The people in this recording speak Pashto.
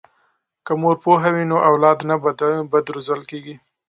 که مور پوهه وي نو اولاد نه بد روزل کیږي.